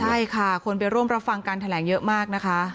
ใช่ค่ะคนไปร่วมรับฟังการแถลงเยอะมากนะคะ